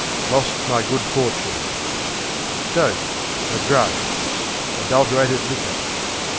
Done me luck Lost my good fortune. Dope A drug; adulterated liquor.